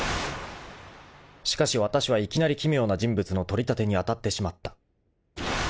［しかしわたしはいきなり奇妙な人物の取り立てに当たってしまった］